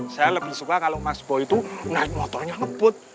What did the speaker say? saya lebih suka kalau mas bo itu naik motornya lembut